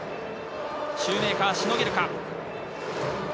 シューメーカー、しのげるか。